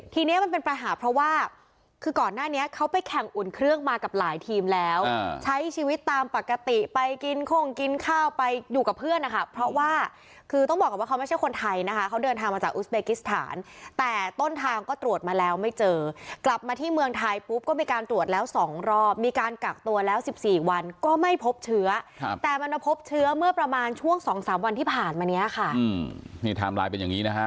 ทีนี้มันเป็นประหาเพราะว่าคือก่อนหน้านี้เขาไปแข่งอุ่นเครื่องมากับหลายทีมแล้วใช้ชีวิตตามปกติไปกินคงกินข้าวไปอยู่กับเพื่อนนะคะเพราะว่าคือต้องบอกว่าเขาไม่ใช่คนไทยนะคะเขาเดินทางมาจากอุสเบกิสถานแต่ต้นทางก็ตรวจมาแล้วไม่เจอกลับมาที่เมืองไทยปุ๊บก็มีการตรวจแล้ว๒รอบมีการกักตัวแล้ว๑๔วันก็